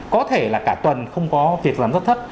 có thể là cả tuần không có việc làm rất thấp